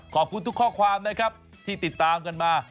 ขอบคุณทุกข้อความนะครับที่ติดตามกันมา